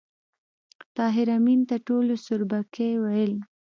طاهر آمین ته ټولو سوربګی ویل